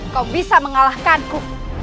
kau bisa mengalahkanku